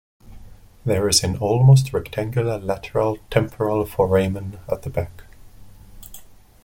There is an almost rectangular lateral temporal foramen at the back.